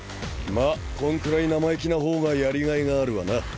まっこんくらい生意気な方がやりがいがあるわな。